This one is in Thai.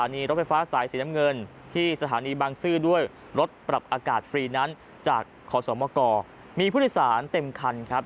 มีพุทธศาสตร์เต็มคันครับ